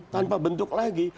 tanpa bentuk lagi